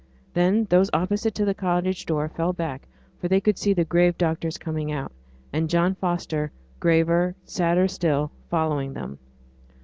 Then those opposite to the cottage door fell back, for they could see the grave doctors coming out, and John Foster, graver, sadder still, following them.